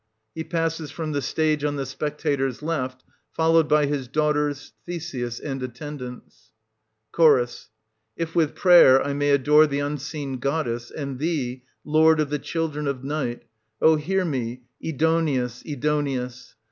\He passes from the stage on the spectators^ left, — followed by his daughters ^ THESEUS, and attendants, str, Ch. If with prayer I may adore the Unseen God dess, and thee, lord of the children of night, O hear me, 1560 Ai'doneus, A'fdoneus